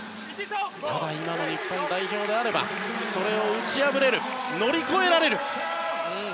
ただ今の日本代表であればそれを打ち破れる乗り越えられる！